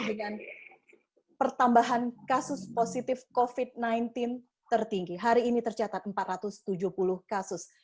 dengan pertambahan kasus positif covid sembilan belas tertinggi hari ini tercatat empat ratus tujuh puluh kasus